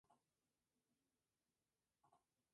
Es así como descubre a su "amada".